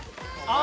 あ